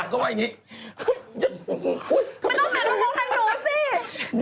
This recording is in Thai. ไม่ต้องมาดูเราทางหนูสิ